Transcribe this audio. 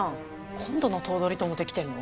今度の頭取ともできてるの？